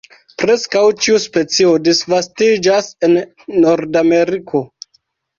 Preskaŭ ĉiu specio disvastiĝas en Nordameriko.